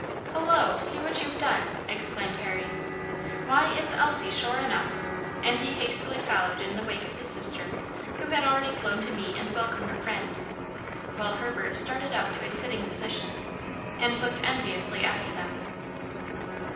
"Hollo! see what you've done!" exclaimed Harry. "Why, it's Elsie, sure enough!" and he hastily followed in the wake of his sister, who had already flown to meet and welcome her friend; while Herbert started up to a sitting posture, and looked enviously after them.